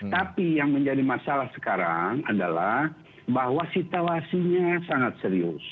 tapi yang menjadi masalah sekarang adalah bahwa situasinya sangat serius